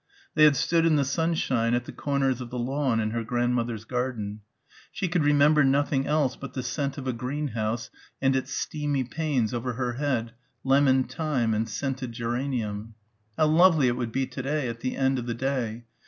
They had stood in the sunshine at the corners of the lawn in her grandmother's garden. She could remember nothing else but the scent of a greenhouse and its steamy panes over her head ... lemon thyme and scented geranium. How lovely it would be to day at the end of the day.